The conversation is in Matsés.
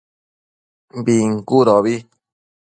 Bincudobi